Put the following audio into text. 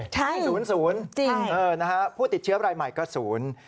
ใช่จริงนะครับผู้ติดเชื้อบรรยายใหม่ก็ศูนย์